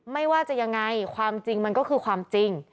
ไม่ว่าจะยังไงความจริงมันก็คือความจริง